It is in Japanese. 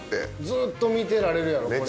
ずっと見てられるやろこれ。